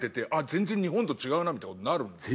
全然日本と違うなみたいな事になるんですか？